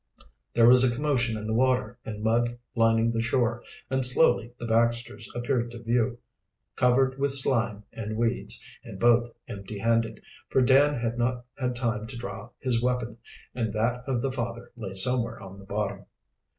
There was a commotion in the water and mud lining the shore, and slowly the Baxters appeared to view, covered with slime and weeds, and both empty handed, for Dan had not had time to draw his weapon, and that of the father lay somewhere on the bottom.